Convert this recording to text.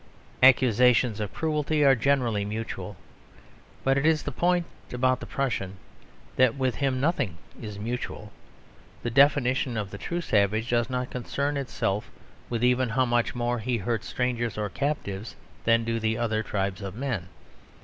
Accusations of cruelty are generally mutual. But it is the point about the Prussian that with him nothing is mutual. The definition of the true savage does not concern itself even with how much more he hurts strangers or captives than do the other tribes of men.